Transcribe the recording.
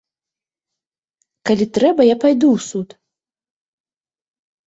Калі трэба, я пайду ў суд.